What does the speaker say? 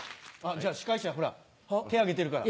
じゃあ司会者ほら手挙げてるから。